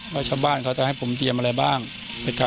ไม่ใช่ว่าเป็นการทำผิดนะ